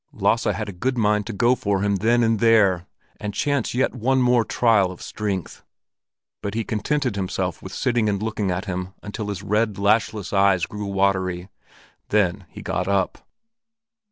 Lasse had a good mind to go for him then and there and chance yet one more trial of strength. But he contented himself with sitting and looking at him until his red, lashless eyes grew watery. Then he got up.